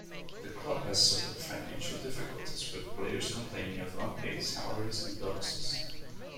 The club has suffered financial difficulties, with players complaining of unpaid salaries and bonuses.